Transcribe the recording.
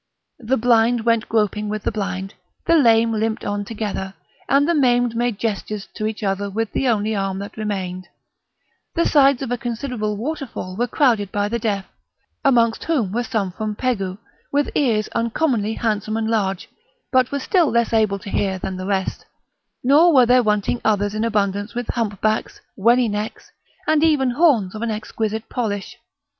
The blind went groping with the blind, the lame limped on together, and the maimed made gestures to each other with the only arm that remained; the sides of a considerable waterfall were crowded by the deaf, amongst whom were some from Pegû with ears uncommonly handsome and large, but were still less able to hear than the rest; nor were there wanting others in abundance with humpbacks, wenny necks, and even horns of an exquisite polish.